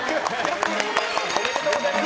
おめでとうございます。